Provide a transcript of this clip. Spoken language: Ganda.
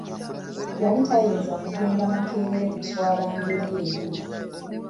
Yali tayinza kugenda makerere kuswala ngeri eyo.